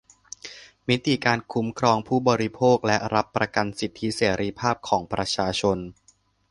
มิติการคุ้มครองผู้บริโภคและรับประกันสิทธิเสรีภาพของประชาชน